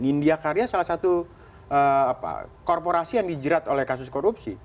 indiakarya salah satu korporasi yang dijerat oleh kasus korupsi